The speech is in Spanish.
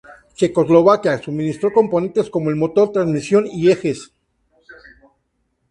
Checoslovaquia suministró componentes como el motor, transmisión y ejes.